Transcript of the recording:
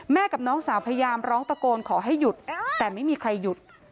กับน้องสาวพยายามร้องตะโกนขอให้หยุดแต่ไม่มีใครหยุด